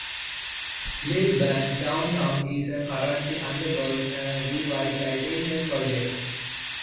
Lilburn's downtown is currently undergoing a revitalization project.